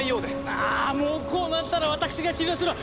あもうこうなったら私が治療するわ！